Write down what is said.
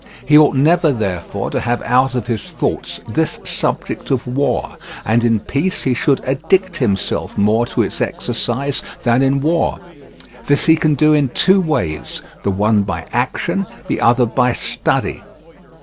He ought never, therefore, to have out of his thoughts this subject of war, and in peace he should addict himself more to its exercise than in war; this he can do in two ways, the one by action, the other by study.